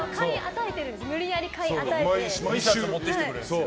無理やり買い与えてるんです。